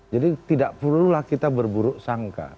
jadi tidak perlulah kita berburuk sangka